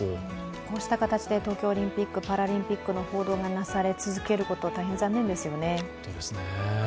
こうした形で東京オリンピック・パラリンピックの報道がなされ続けること大変残念ですよね。